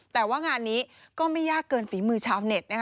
แต่ว่างานนี้ก็ไม่ยากเกินฝีมือชาวเน็ตนะคะ